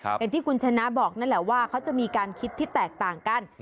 อย่างที่คุณชนะบอกนั่นแหละว่าเขาจะมีการคิดที่แตกต่างกัน